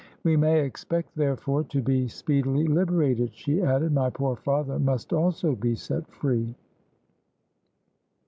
"We may expect therefore to be speedily liberated," she added. "My poor father must also be set free."